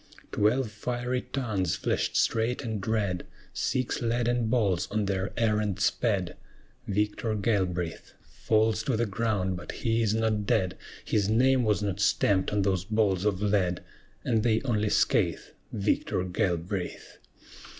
Twelve fiery tongues flashed straight and red, Six leaden balls on their errand sped; Victor Galbraith Falls to the ground, but he is not dead: His name was not stamped on those balls of lead, And they only scath Victor Galbraith.